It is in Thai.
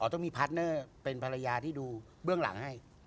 ต้องมีพาร์ทเนอร์เป็นภรรยาที่ดูเบื้องหลังให้